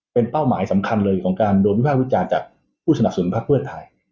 เป็นเป้าหมายสำคัญเลยของการโดนวิภาควิจารณ์จากผู้สนับสนพักเพื่อไทย